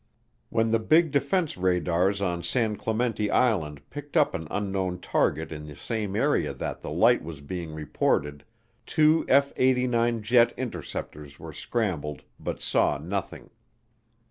When the big defense radars on San Clemente Island picked up an unknown target in the same area that the light was being reported two F 89 jet interceptors were scrambled but saw nothing.